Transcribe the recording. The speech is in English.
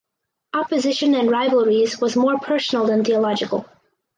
Opposition and rivalries was more personal than theological.